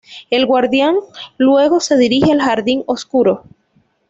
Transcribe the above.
El guardián luego se dirige al Jardín Oscuro.